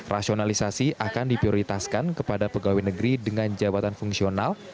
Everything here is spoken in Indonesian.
rasionalisasi akan diprioritaskan kepada pegawai negeri dengan jabatan fungsional